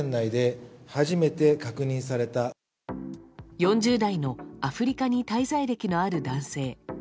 ４０代のアフリカに滞在歴のある男性。